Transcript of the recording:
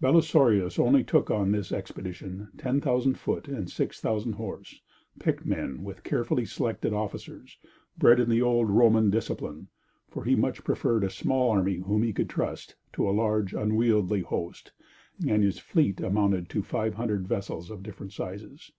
Belisarius only took on this expedition 10,000 foot and 6,000 horse, picked men, with carefully selected officers, bred in the old Roman discipline, for he much preferred a small army whom he could trust, to a large and unwieldy host; and his fleet amounted to 500 vessels of different sizes.